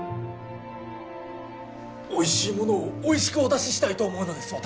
おいしいものをおいしくお出ししたいと思うのです私